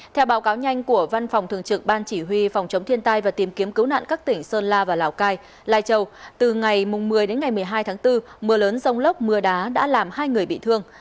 theo báo cáo nhanh của văn phòng thường trực ban chỉ huy phòng chống thiên tai và tìm kiếm cứu nạn các tỉnh sơn la và lào cai lai châu từ ngày một mươi đến ngày một mươi hai tháng bốn mưa lớn rông lốc mưa đá đã làm hai người bị thương